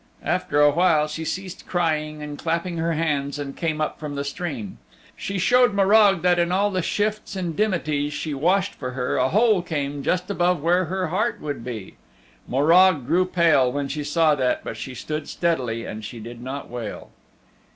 After a while she ceased crying and clapping her hands and came up from the stream. She showed Morag that in all the shifts and dimities she washed for her, a hole came just above where her heart would be. Morag grew pale when she saw that, but she stood steadily and she did not wail.